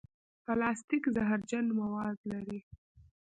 پلاستيک زهرجن مواد لري.